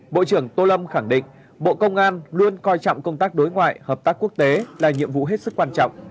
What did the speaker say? bộ trưởng tô lâm khẳng định bộ công an luôn coi trọng công tác đối ngoại hợp tác quốc tế là nhiệm vụ hết sức quan trọng